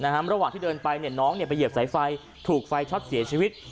ระหว่างที่เดินไปน้องไปเหยียบสายไฟถูกไฟช็อตเสียชีวิต